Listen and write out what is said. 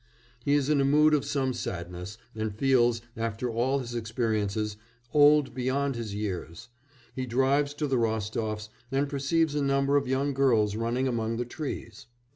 He is in a mood of some sadness, and feels, after all his experiences, old beyond his years; he drives to the Rostofs and perceives a number of young girls running among the trees.